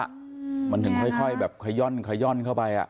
แม่น่ะมันถึงค่อยแบบคย่อนเข้าไป